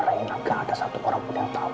rendy gak ada satu orangpun yang tahu